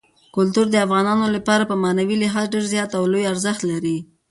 کلتور د افغانانو لپاره په معنوي لحاظ ډېر زیات او لوی ارزښت لري.